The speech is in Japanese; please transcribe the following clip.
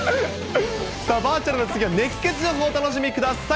さあ、バーチャルの次は、熱ケツ情報をお楽しみください。